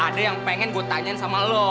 ada yang pengen gue tanyain sama lo